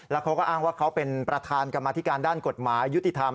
แล้วเขาก็อ้างว่าเขาเป็นประธานกรรมธิการด้านกฎหมายยุติธรรม